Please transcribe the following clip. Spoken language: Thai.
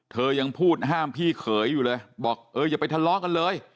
ยังพูดห้ามพี่เขยอยู่เลยบอกเอออย่าไปทะเลาะกันเลย